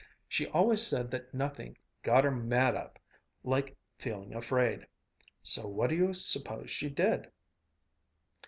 She always said that nothing 'got her mad up' like feeling afraid. So what do you suppose she did?"